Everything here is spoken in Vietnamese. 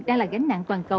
đang là gánh nặng toàn cầu